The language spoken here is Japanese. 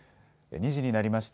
２時になりました。